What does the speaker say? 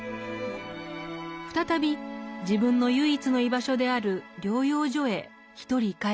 再び自分の唯一の居場所である療養所へ一人帰っていくのでした。